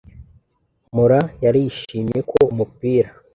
mpora yarashimye ko umupira